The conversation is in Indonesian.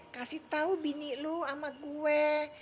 kasih tau bini lu sama gue